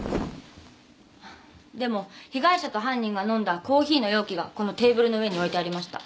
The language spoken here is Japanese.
でも被害者と犯人が飲んだコーヒーの容器がこのテーブルの上に置いてありました。